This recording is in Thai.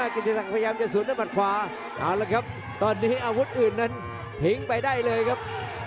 กินที่สังพยายามจะสุดด้วยมัดขวาตอนนี้อาวุธอื่นนั้นทิ้งไปได้เลยครับ